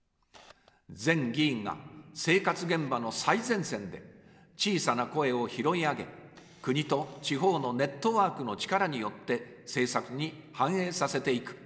全議員が、生活現場の最前線で小さな声を拾い上げ、国と地方のネットワークの力によって政策に反映させていく。